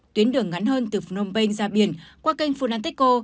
tuyến đường ngắn hơn từ phnom penh ra biển qua canh phunanteco